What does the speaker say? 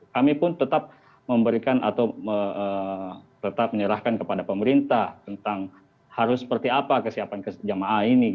kami pun tetap memberikan atau tetap menyerahkan kepada pemerintah tentang harus seperti apa kesiapan jemaah ini